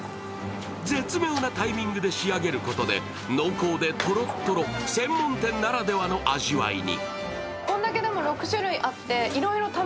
絶妙なタイミングで仕上げることで濃厚でとろっとろ、専門店ならではの味わいに。